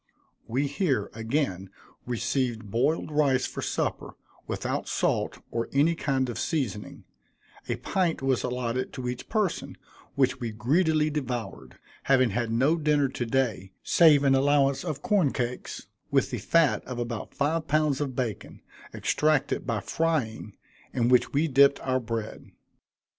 We here, again, received boiled rice for supper, without salt, or any kind of seasoning; a pint was allotted to each person, which we greedily devoured, having had no dinner to day, save an allowance of corn cakes, with the fat of about five pounds of bacon, extracted by frying, in which we dipped our bread.